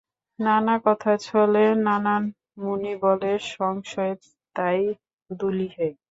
নানা কথার ছলে নানান মুনি বলে, সংশয়ে তাই দুলি হে।